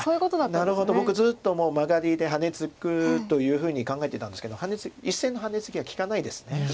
なるほど僕ずっとマガリでハネツグというふうに考えてたんですけど１線のハネツギは利かないですね。